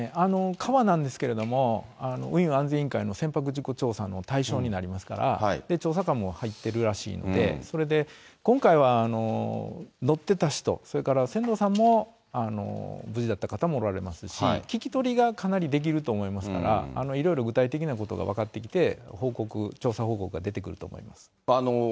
川なんですけれども、運輸安全委員会の船舶事故調査の対象になりますから、調査官も入ってるらしいんで、それで今回は乗ってた人、それから船頭さんも無事だった方もおられますし、聞き取りがかなりできると思いますから、いろいろ具体的なことが分かってきて、報告、調査報告が出てくると思います。